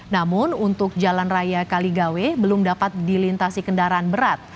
namun untuk jalan raya kaligawe belum dapat dilintasi kendaraan berat